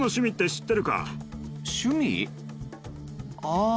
ああ。